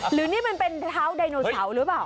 หรือนี่มันเป็นเท้าไดโนเสาร์หรือเปล่า